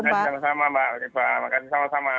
terima kasih sama sama mbak terima kasih sama sama